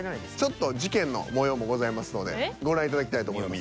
ちょっと事件のもようもございますのでご覧いただきたいと思います。